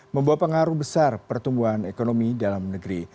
membawa pengaruh besar pertumbuhan ekonomi dalam negeri